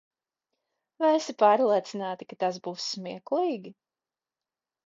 Vai esi pārliecināta, ka tas būs smieklīgi?